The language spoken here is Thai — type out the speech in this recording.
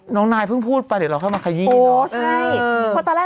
น้องนายเพิ่งพูดไปเดี๋ยวเราเข้ามาขยีเนอะโอ้ใช่เออพอตั้งแต่